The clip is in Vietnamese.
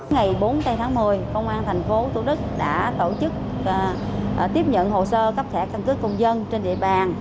ngày bốn tây tháng một mươi công an tp hcm đã tổ chức tiếp nhận hồ sơ cấp thẻ căn cước công dân trên địa bàn